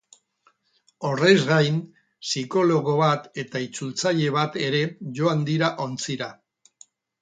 Horrez gain, psikologo bat eta itzultzaile bat ere joan dira ontzira.